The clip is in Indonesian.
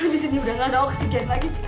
disini udah gak ada oksigen lagi